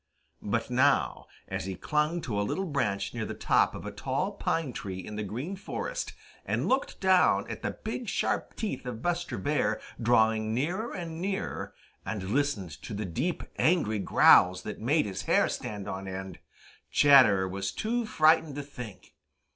But now as he clung to a little branch near the top of a tall pine tree in the Green Forest and looked down at the big sharp teeth of Buster Bear drawing nearer and nearer, and listened to the deep, angry growls that made his hair stand on end, Chatterer was too frightened to think.